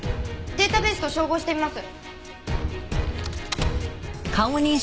データベースと照合してみます。